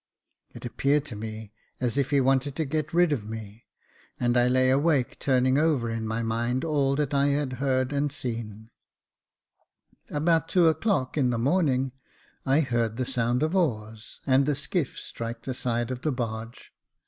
It appeared to me as if he wanted to get rid of me, and I lay awake turning over in my mind all that I had heard and seen. About two o'clock in the morning 58 Jacob Faithful I heard the sound of oars, and the skiff strike the side of the barge.